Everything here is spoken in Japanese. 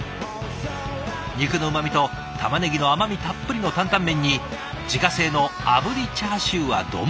肉のうまみとたまねぎの甘みたっぷりの担々麺に自家製のあぶりチャーシューは丼で。